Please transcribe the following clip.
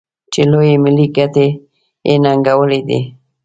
چې لویې ملي ګټې یې ننګولي دي.